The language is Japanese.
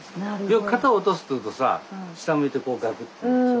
よく「肩を落とす」って言うとさ下向いてこうガクッてなるでしょ？